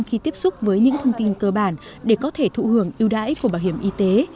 khi tiếp xúc với những thông tin cơ bản để có thể thụ hưởng ưu đãi của bảo hiểm y tế